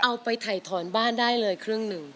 เอาไปถ่ายถอนบ้านได้เลยครึ่งหนึ่ง